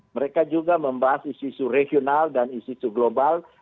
mereka juga membahas isu isu regional dan isu isu global